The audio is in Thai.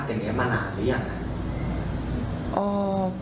แปลงใหม่มาหนาตึกหรือยัง